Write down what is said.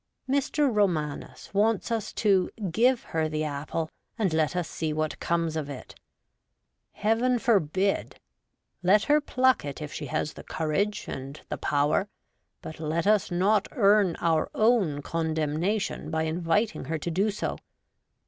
Mr. Romanes wants us to ' give her the apple,, and let us see what comes of it.' Heaven forbid : let her pluck it if she has the courage and the power, but let us not earn our own condemnation WOMAN UP TO DATE. 27 by inviting her to do so.